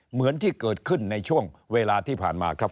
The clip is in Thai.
เหมือนที่เกิดขึ้นในช่วงเวลาที่ผ่านมาครับ